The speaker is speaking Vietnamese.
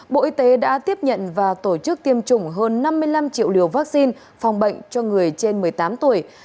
bộ y tế đã tiếp nhận và tổ chức tiêm chủng hơn năm mươi năm triệu liều vaccine phòng bệnh cho người trên một mươi tám tuổi